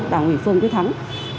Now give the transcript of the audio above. đảng ủy phường quyết thắng